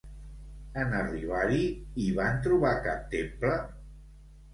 En arribar-hi, hi van trobar cap temple?